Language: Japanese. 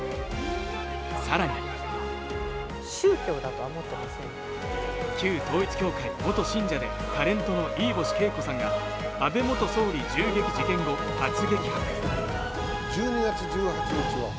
更に旧統一教会の元信者でタレントの飯星景子さんが安倍元総理銃撃事件後初激白。